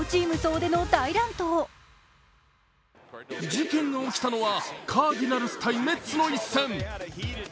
事件が起きたのはカーディナルス対レッズの一戦。